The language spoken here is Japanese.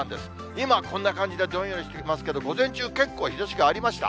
今、こんな感じでどんよりしていますけれども、午前中、結構日ざしがありました。